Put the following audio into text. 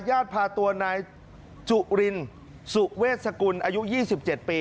ญาติพาตัวนายจุรินสุเวชสกุลอายุ๒๗ปี